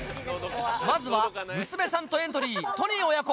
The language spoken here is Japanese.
まずは娘さんとエントリートニー親子。